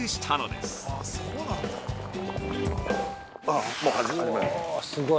◆すごい。